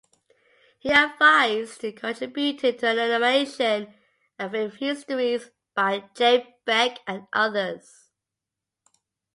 He advised and contributed to animation and film histories by Jerry Beck and others.